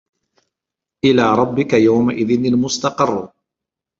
إِلى رَبِّكَ يَومَئِذٍ المُستَقَرُّ